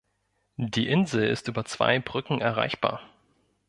Die Insel ist über zwei Brücken erreichbar.